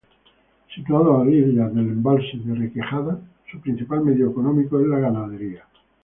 Situado a orillas del embalse de Requejada, su principal medio económico es la ganadería.